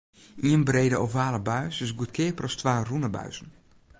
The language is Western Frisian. Ien brede ovale buis is goedkeaper as twa rûne buizen.